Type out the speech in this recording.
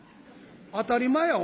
「当たり前や。